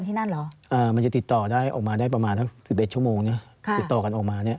ที่ไหน